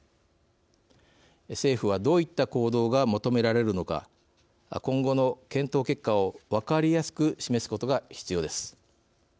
政府は、どういった行動が求められるのか今後の検討結果を分かりやすく示すことが必要です。